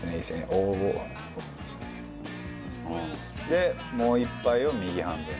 でもう１杯を右半分。